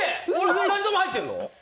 ２人とも入ってるの？